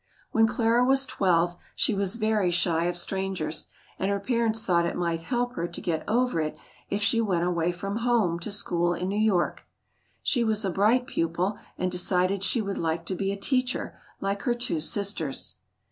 When Clara was twelve, she was very shy of strangers, and her parents thought it might help her to get over it if she went away from home to school in New York. She was a bright pupil and decided she would like to be a teacher like her two sisters.